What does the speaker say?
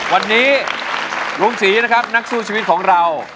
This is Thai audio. วันนี้รุ่งศรีหนักสู้ชีวิตของเรา